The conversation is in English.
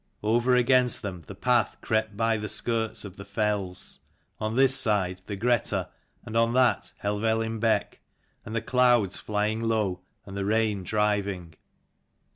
Over against them the path crept by the skirts of the fells ; on this side the Greta and on that Helvellyn beck: and the clouds flying low, and the rain driving.